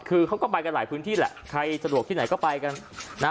คือเขาก็ไปกันหลายพื้นที่แหละใครสะดวกที่ไหนก็ไปกันนะ